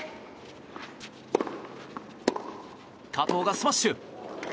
加藤がスマッシュ！